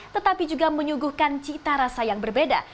tetapi juga menyuguhkan cita rasa yang berbeda